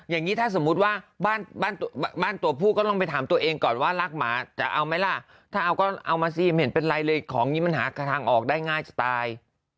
อย่างนี้ถ้าสมมุติว่าบ้านตัวผู้ก็ต้องไปถามตัวเองก่อนว่ารักหมาจะเอาไหมล่ะถ้าเอาก็เอามาสิไม่เห็นเป็นไรเลยของนี้มันหาทางออกได้ง่ายจะตาย